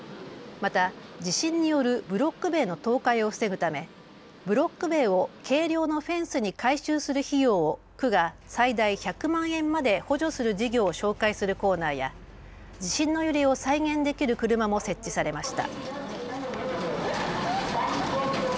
また地震によるブロック塀の倒壊を防ぐためブロック塀を軽量のフェンスに改修する費用を区が最大１００万円まで補助する事業を紹介するコーナーや地震の揺れを再現できる車も設置されました。